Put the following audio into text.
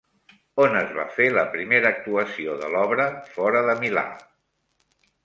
On es va fer la primera actuació de l'obra fora de Milà?